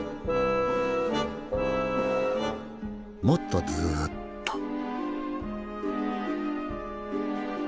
もっとずっと。